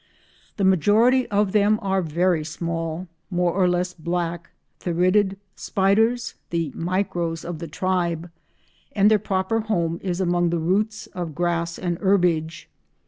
The majority of them are very small, more or less black, Theridiid spiders, the "micros" of the tribe, and their proper home is among the roots of grass and herbage.